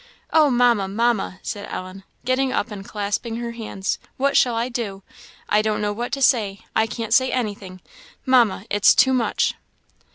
"Oh Mamma, Mamma!" said Ellen, getting up and clasping her hands, "what shall I do? I don't know what to say; I can't say anything. Mamma, it's too much."